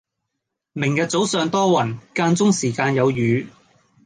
明日早上多雲，間中時間有雨